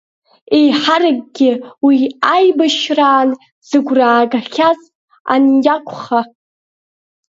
Еиҳаракгьы уи аибашьраан зыгәра аагахьаз аниакәха.